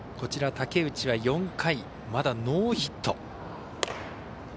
武内は４回まだノーヒット。